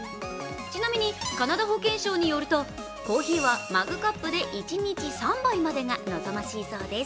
ちなみに、カナダ保健省によるとコーヒーはマグカップで一日３杯までが望ましいそうです。